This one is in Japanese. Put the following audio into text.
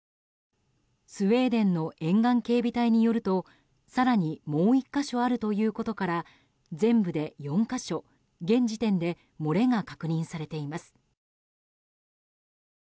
スウェーデンの沿岸警備隊によると更にもう１か所あるということから全部で４か所現時点で漏れが確認されています。